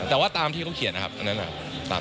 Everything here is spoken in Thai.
แต่ว่าตามที่เขาเขียนนะครับอันนั้น